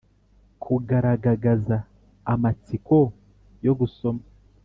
-kugaragagaza amatsiko yo gusoma